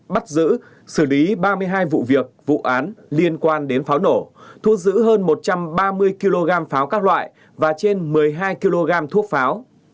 bắt giữ xử lý ba mươi hai vụ việc vụ án liên quan đến pháo nổ thu giữ hơn một trăm ba mươi kg pháo các loại và trên một mươi hai kg thuốc pháo